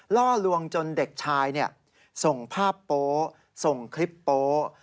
ล่อลวงจนเด็กชายส่งภาพโป๊ส่งคลิปโป๊ะ